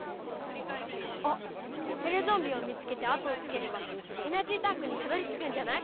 あっテレゾンビを見つけて後をつければエナジータンクにたどりつくんじゃない？